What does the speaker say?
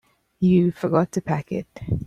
You forgot to pack it.